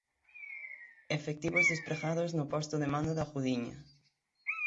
Efectivos despregados no posto de mando da Gudiña.